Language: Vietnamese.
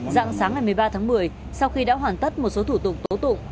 dạng sáng ngày một mươi ba tháng một mươi sau khi đã hoàn tất một số thủ tục tố tụng